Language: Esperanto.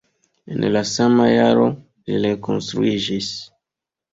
En la sama jaro ĝi rekonstruiĝis.